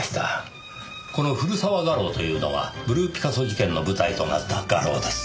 この古澤画廊というのはブルーピカソ事件の舞台となった画廊です。